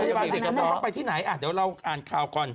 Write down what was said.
โรงพยาบาลเด็กจะเข้าไปที่ไหนอ่ะเดี๋ยวเราอ่านข่าวก่อน